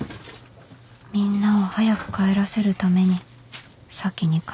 みんなを早く帰らせるために先に帰るふりして